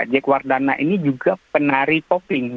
jack wardana ini juga penari topping